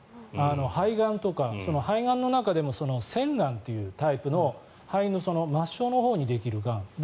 肺がんとか、肺がんの中でも腺がんっていうタイプの肺の末梢のほうにできるがん。